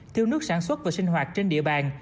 thiếu nước sản xuất và sinh hoạt trên địa bàn